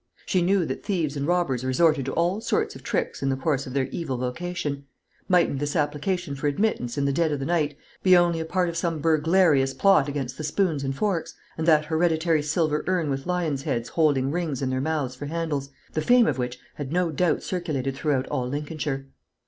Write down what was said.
She knew that thieves and robbers resorted to all sorts of tricks in the course of their evil vocation. Mightn't this application for admittance in the dead of the night be only a part of some burglarious plot against the spoons and forks, and that hereditary silver urn with lions' heads holding rings in their mouths for handles, the fame of which had no doubt circulated throughout all Lincolnshire?